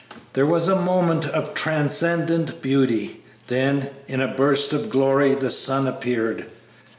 There was a moment of transcendent beauty, then, in a burst of glory, the sun appeared.